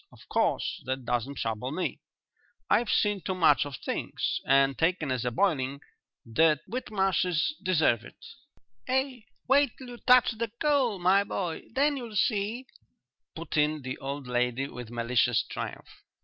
Of course that doesn't trouble me; I've seen too much of things. And, taken as a boiling, the Whitmarshes deserve it." "Ah, wait till you touch the coal, my boy, then you'll see," put in the old lady, with malicious triumph.